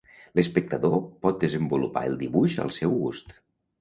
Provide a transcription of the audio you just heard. L'espectador pot desenvolupar el dibuix al seu gust.